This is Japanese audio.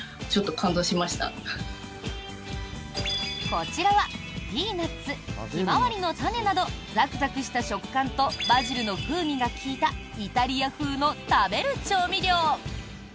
こちらはピーナッツ、ヒマワリの種などザクザクした食感とバジルの風味が利いたイタリア風の食べる調味料。